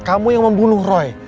kamu yang membunuh roy